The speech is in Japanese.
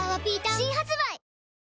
新発売